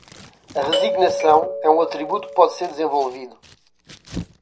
A resignação é um atributo que pode ser desenvolvido